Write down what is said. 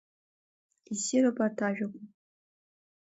Иссируп арҭ ажәақәа.